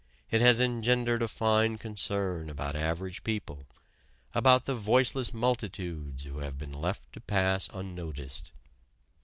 It has engendered a fine concern about average people, about the voiceless multitudes who have been left to pass unnoticed.